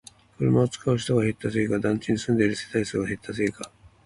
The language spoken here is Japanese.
車を使う人が減ったせいか、団地に住んでいる世帯数が減ったせいか